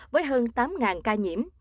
với hơn tám ca nhiễm